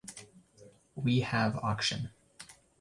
we have auction.